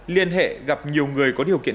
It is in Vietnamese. liên hệ gặp nhiều người có điều kiện